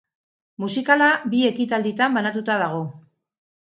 Musikala bi ekitalditan banatuta dago.